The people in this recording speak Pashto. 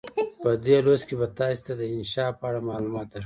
په دې لوست کې به تاسې ته د انشأ په اړه معلومات درکړو.